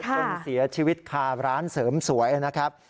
จนเสียชีวิตคาร้านเสริมสวยนะครับ